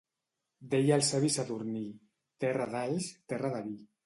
Deia el savi Sadurní: —Terra d'alls, terra de vi.